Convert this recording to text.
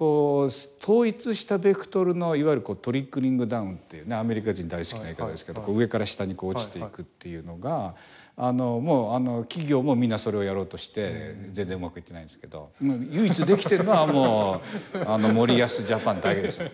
統一したベクトルの、いわゆるトリックリングダウンってアメリカ人大好きな言い方ですけど上から下に落ちていくというのが企業もみんなそれをやろうとして全然うまくいってないんですけど唯一できているのは森保ジャパンだけですよ。